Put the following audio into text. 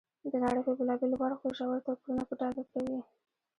د نړۍ په بېلابېلو برخو کې ژور توپیرونه په ډاګه کوي.